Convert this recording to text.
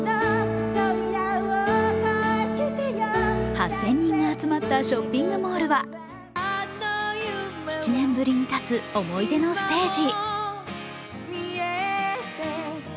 ８０００人が集まったショッピングモールは７年ぶりに立つ、思い出のステージ。